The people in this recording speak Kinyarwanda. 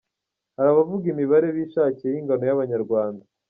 Hari abavuga imibare bishakiye y’ingano y’Abanyarwanda.